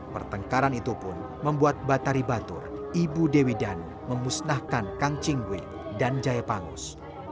pertengkaran itu pun membuat batari batur ibu dewi danu memusnahkan kang ching wei dan jaya pangus